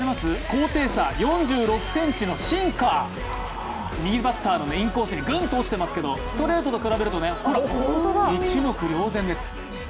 高低差４６ｃｍのシンカー右バッターのインコースへグッと落ちていますけれどもストレートと比べると一目瞭然です。